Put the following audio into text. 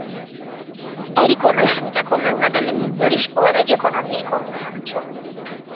È riconosciuta come una delle migliori scuole di Economia e Commercio.